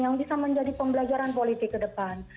yang bisa menjadi pembelajaran politik ke depan